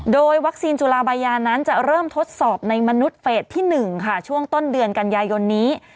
โดยวัคซีนจุลาบายานั้นจะเริ่มทดสอบในมนุษย์เฟสที่๑ค่ะช่วงต้นเดือนกันยายนนี้